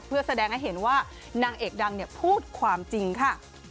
เพื่อแสดงให้เห็นว่านางเอกดังพูดความจริงค่ะ